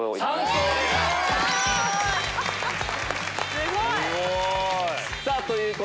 ・すごい！